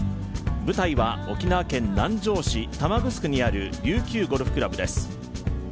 舞台は、沖縄県南城市玉城にある琉球ゴルフ倶楽部です。